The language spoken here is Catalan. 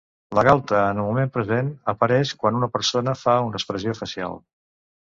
La galta en el moment present, apareix quan una persona fa una expressió facial.